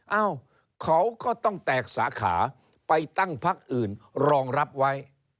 เอ้าเขาก็ต้องแตกสาขาไปตั้งพักอื่นรองรับไว้